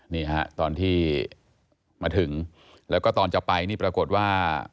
นี่ฮะตอนที่มาถึงแล้วก็ตอนจะไปนี่ปรากฏว่า